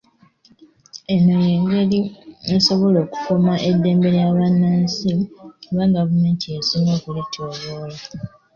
Eno y'engeri esobola okukuuma eddembe lya bannansi kuba gavumenti y'ensinga okulityoboola.